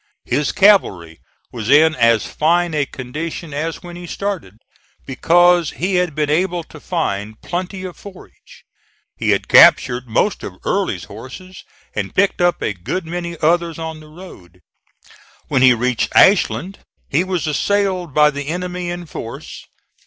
His cavalry was in as fine a condition as when he started, because he had been able to find plenty of forage. He had captured most of Early's horses and picked up a good many others on the road. When he reached Ashland he was assailed by the enemy in force.